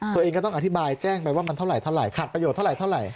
ตัวเองก็ต้องอธิบายแจ้งไปว่ามันเท่าไหรขาดประโยชนเท่าไหร่